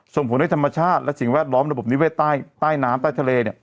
ส่งผลให้ธรรมชาติและสิ่งแวดล้อมระบบนิเวศใต้น้ำใต้ทะเล